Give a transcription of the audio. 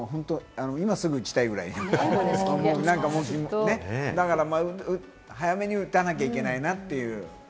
今すぐ打ちたいぐらい、早めに打たなきゃいけないなという。